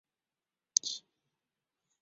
曾参加云南护国起义。